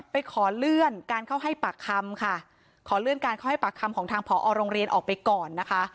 ไปขอเลื่อนการเข้าให้ปากคำของทางพอโรงเรียนออกไปก่อน